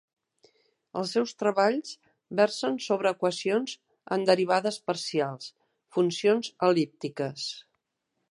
Els seus treballs versen sobre equacions en derivades parcials, funcions el·líptiques.